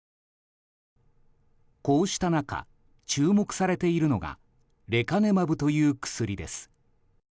こうした中、注目されているのがレカネマブという薬です。